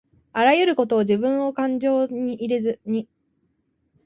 あらゆることをじぶんをかんじょうに入れずに